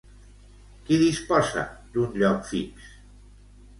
Qui disposa d'un lloc fix?